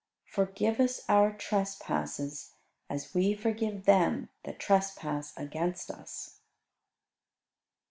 "Forgive us our trespasses, as we forgive them that trespass against us."